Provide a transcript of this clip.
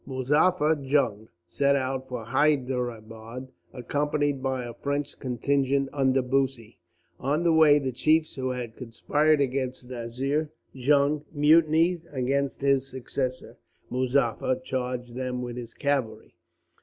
Muzaffar Jung set out for Hyderabad, accompanied by a French contingent under Bussy. On the way, the chiefs who had conspired against Nazir Jung mutinied against his successor. Muzaffar charged them with his cavalry.